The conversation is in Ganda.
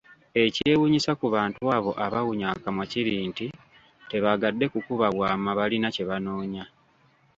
Ekyewuunyisa ku bantu abo abawunya akamwa kiri nti, tebaagadde kukuba bwama balina kye banoonya.